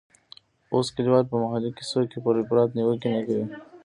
اوس کلیوال په محلي کیسو کې پر افراط نیوکې نه کوي.